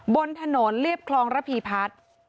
บนถนนเรียบคลองระพีพัฒน์